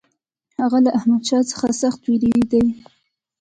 هغه له احمدشاه څخه سخت وېرېدی.